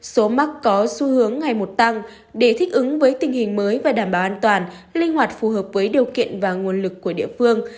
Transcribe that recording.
số mắc có xu hướng ngày một tăng để thích ứng với tình hình mới và đảm bảo an toàn linh hoạt phù hợp với điều kiện và nguồn lực của địa phương